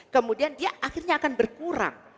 kemudian dia akhirnya akan berkurang